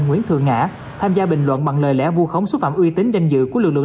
nguyễn thượng ngã tham gia bình luận bằng lời lẽ vu khống xúc phạm uy tín danh dự của lực lượng